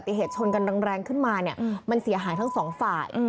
เหตุชนกันแรงขึ้นมาเนี่ยมันเสียหายทั้งสองฝ่าย